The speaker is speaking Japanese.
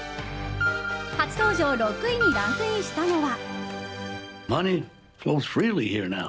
初登場６位にランクインしたのは。